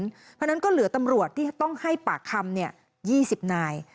เพราะฉะนั้นก็เหลือตำรวจที่ต้องให้ปากคำ๒๐นาย